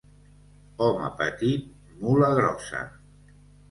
Home petit, mula grossa.